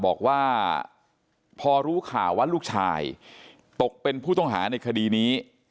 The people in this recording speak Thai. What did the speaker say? บอกว่าพอรู้ข่าวว่าลูกชายตกเป็นผู้ต้องหาในคดีนี้